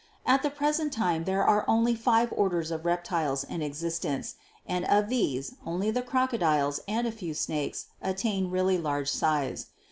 At the present time there are only five orders of reptiles in existence, and of these only the crocodiles and a few snakes attain really large size.